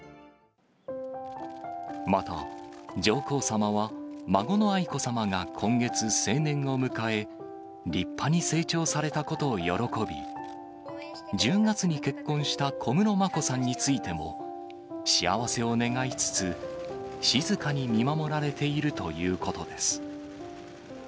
また上皇さまは孫の愛子さまが今月、成年を迎え、立派に成長されたことを喜び、１０月に結婚した小室眞子さんについても、幸せを願いつつ、静かに見守られているということです。